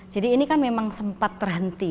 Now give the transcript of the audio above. jadi ini kan memang sempat terhenti